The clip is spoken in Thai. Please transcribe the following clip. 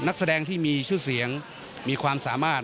นักแสดงที่มีชื่อเสียงมีความสามารถ